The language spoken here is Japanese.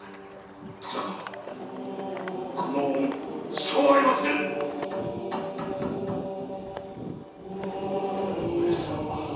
徳田殿この恩は生涯忘れぬ上様。